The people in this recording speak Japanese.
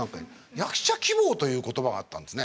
「役者希望」という言葉があったんですね。